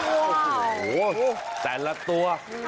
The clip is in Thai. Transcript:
โอ้โหแต่ละตัว